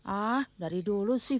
ah dari dulu sih